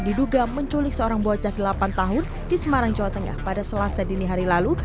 diduga menculik seorang bocah delapan tahun di semarang jawa tengah pada selasa dini hari lalu